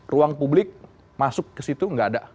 ruang publik masuk ke situ nggak ada